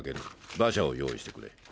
馬車を用意してくれ。